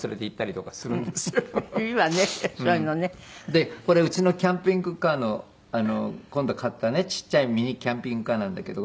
でこれうちのキャンピングカーの今度買ったねちっちゃいミニキャンピングカーなんだけど。